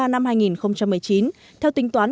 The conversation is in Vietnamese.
năm hai nghìn một mươi chín theo tính toán